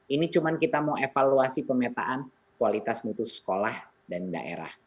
ini cuma kita mau evaluasi pemetaan kualitas mutu sekolah dan daerah